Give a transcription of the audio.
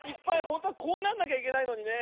ほんとはこうなんなきゃいけないのにね。